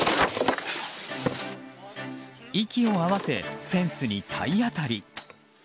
息を合わせ、フェンスに体当たり。